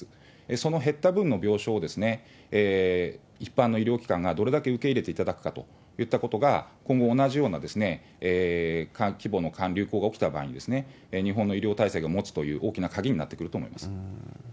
その減った分の病床を、一般の医療機関がどれだけ受け入れていただくかといったことが、今後、同じような規模の流行が起きた場合に、日本の医療体制が持つという大きな鍵になってくると思います。